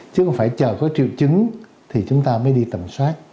chứ không phải chờ có triệu chứng thì chúng ta mới đi tầm soát